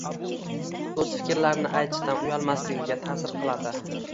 o‘z fikrini aytishdan uyalmasligiga ta’sir qiladi.